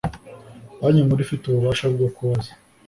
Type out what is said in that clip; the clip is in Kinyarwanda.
Banki nkuru ifite ububasha bwo kubaza